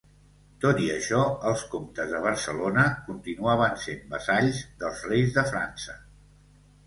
Tot i això, els comtes de Barcelona continuaven sent vassalls dels reis de França.